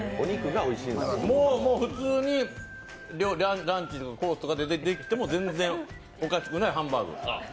もう普通にランチのコースとかで出てきても全然おかしくないハンバーグ。